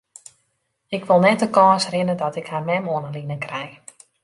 Ik wol net de kâns rinne dat ik har mem oan 'e line krij.